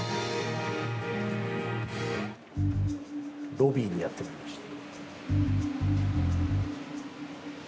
ロビーにやってまいりました。